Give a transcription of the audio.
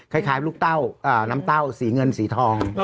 คล้ายลูกเต้าน้ำเต้าสีเงินสีทอง